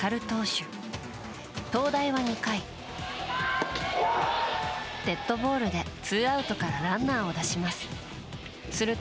東大は２回、デッドボールでツーアウトからランナーを出します。